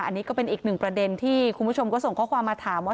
อันนี้ก็เป็นอีกหนึ่งประเด็นที่คุณผู้ชมก็ส่งข้อความมาถามว่า